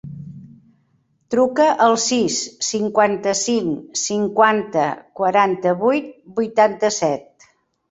Truca al sis, cinquanta-cinc, cinquanta, quaranta-vuit, vuitanta-set.